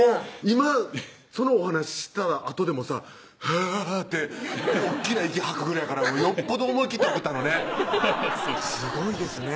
今そのお話したあとでもさ「ハァー」って大っきな息吐くぐらいやからよっぽど思い切って送ったのねハハッそうですね